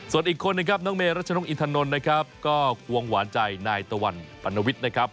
ส่วนอีกคนนึงครับน้องเมรัชนกอินทานนท์นะครับก็ควงหวานใจนายตะวันปรณวิทย์นะครับ